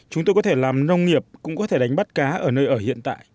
chúng tôi có thể làm nông nghiệp cũng có thể đánh bắt cá ở nơi ở hiện tại